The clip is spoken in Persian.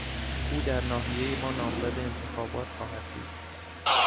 او در ناحیهی ما نامزد انتخابات خواهد بود.